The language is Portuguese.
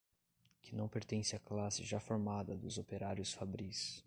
que não pertence à classe já formada dos operários fabris